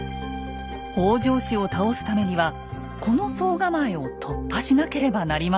北条氏を倒すためにはこの総構を突破しなければなりません。